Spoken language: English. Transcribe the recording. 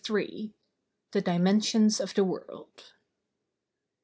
THE DIMENSIONS OF THE WORLD.